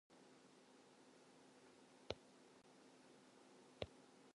Mostly though, people said yes.